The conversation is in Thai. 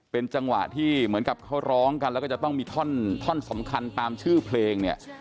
เป็นจังหวะที่เหมือนกับเขาร้องกันแล้วก็จะต้องมีท่อนสำคัญตามชื่อเพลงเนี่ย